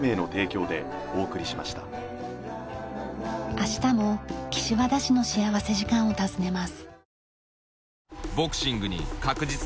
明日も岸和田市の幸福時間を訪ねます。